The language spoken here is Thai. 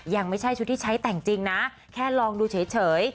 ยังไม่ใช่ชุดที่ใช้แต่งจริงนะแค่ลองดูเฉย